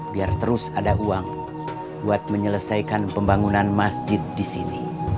biar terus ada uang buat menyelesaikan pembangunan masjid di sini